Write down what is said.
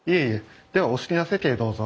ではお好きな席へどうぞ。